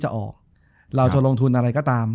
จบการโรงแรมจบการโรงแรม